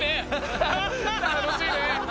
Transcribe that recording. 楽しいね。